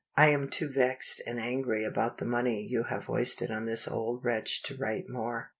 I am too vexed and angry about the money you have wasted on this old wretch to write more.